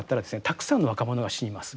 たくさんの若者が死にます。